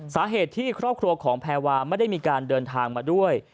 สาเหตุที่ครอบครัวของแพรวาไม่ได้มีการเดินทางมาด้วย